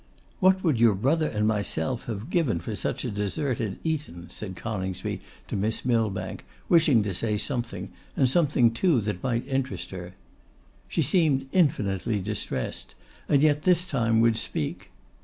'What would your brother and myself have given for such a dessert at Eton!' said Coningsby to Miss Millbank, wishing to say something, and something too that might interest her. She seemed infinitely distressed, and yet this time would speak.